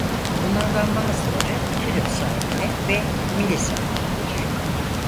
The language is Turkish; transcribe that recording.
Bunlardan bazıları kilo saniye ve milisaniyedir.